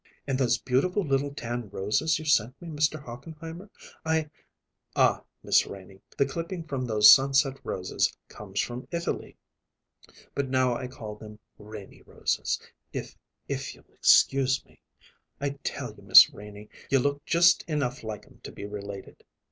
"And those beautiful little tan roses you sent me, Mr. Hochenheimer; I " "Ah, Miss Renie, the clipping from those sunset roses comes from Italy; but now I call them Renie Roses, if if you'll excuse me. I tell you, Miss Renie, you look just enough like 'em to be related.